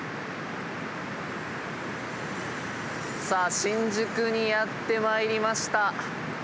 さあ新宿にやってまいりました。